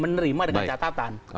menerima dengan catatan